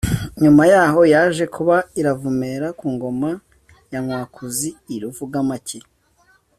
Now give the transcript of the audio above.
nyuma yaho yaje kuba Iravumera ku Ngoma ya Nkwakuzi I Ruvugamake